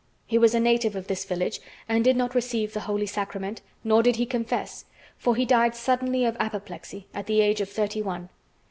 He was a native of this village and did not receive the holy sacrament, nor did he confess, for he died suddenly of apoplexy at the age of thirty one.